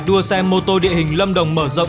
đua xe mô tô địa hình lâm đồng mở rộng